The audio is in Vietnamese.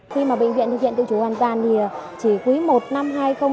khi mà bệnh viện thực hiện tự chủ hoàn toàn thì chỉ cuối một năm hai nghìn một mươi bảy